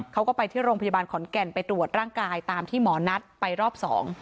เขาก็ไปที่โรงพยาบาลขอนแก่นไปตรวจร่างกายตามที่หมอนัดไปรอบสอง